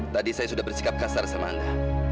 tadi saya sudah bersikap kasar sama anda